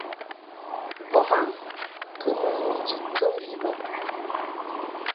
Voma kɨ mɨ ni njid kɨmvi bə.